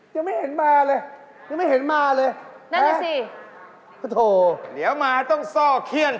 ยังไม่เห็นมาเลย